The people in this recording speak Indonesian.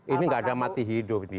ini gak ada mati hidup nih